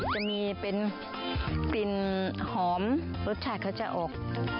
จะมีเป็นกลิ่นหอมรสชาติเขาจะออก